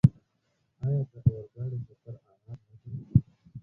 آیا د اورګاډي سفر ارام نه دی؟